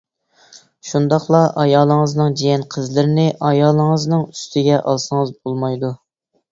شۇنداقلا ئايالىڭىزنىڭ جىيەن قىزلىرىنى ئايالىڭىزنىڭ ئۈستىگە ئالسىڭىز بولمايدۇ.